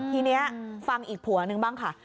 ทีนี้ฟังอีกผัวนึงบ้างค่ะ